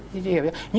chị hiểu chưa